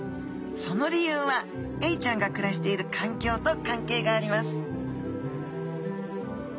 その理由はエイちゃんが暮らしているかんきょうと関係があります